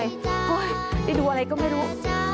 ได้ดูอะไรก็ไม่รู้